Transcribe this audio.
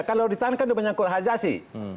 kalau ditahan kan dia menyangkut hajasi